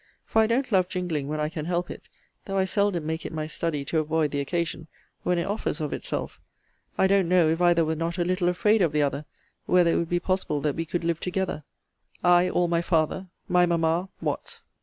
For I don't love jingling when I can help it; though I seldom make it my study to avoid the occasion, when it offers of itself. I don't know, if either were not a little afraid of the other, whether it would be possible that we could live together: I, all my father! My mamma What?